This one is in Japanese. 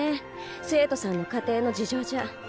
生徒さんの家庭の事情じゃ。